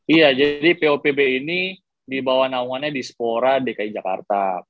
iya jadi popb ini di bawah naungannya di sepora dki jakarta